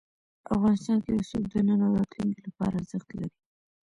افغانستان کې رسوب د نن او راتلونکي لپاره ارزښت لري.